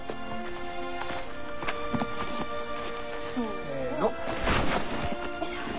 せの。